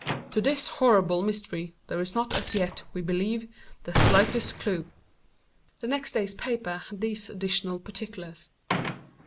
"To this horrible mystery there is not as yet, we believe, the slightest clew." The next day's paper had these additional particulars.